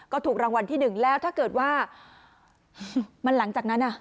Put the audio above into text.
ก็ถูกรางวัลที่หนึ่งแล้วถ้าเกิดว่ามันหลังจากนั้นอ่ะ